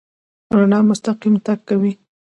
رڼا مستقیم تګ کوي.